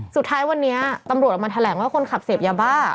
สุดท้ายวันนี้ตำรวจออกมาแถลงว่าคนขับเสพยาบ้า